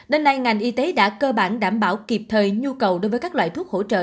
đến nay ngành y tế đã cơ bản đảm bảo kịp thời nhu cầu đối với các loại thuốc hỗ trợ